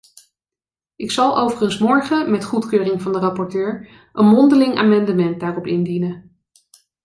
Ik zal overigens morgen, met goedkeuring van de rapporteur, een mondeling amendement daarop indienen.